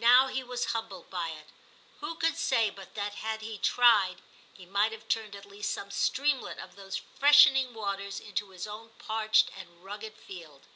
Now he was humbled by it. Who could say but that had he tried, he might have turned at least some streamlet of those freshening waters into his own parched and rugged field